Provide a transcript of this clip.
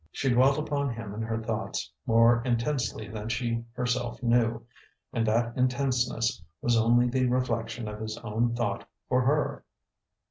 She dwelt upon him in her thoughts more intensely than she herself knew; and that intenseness was only the reflection of his own thought for her.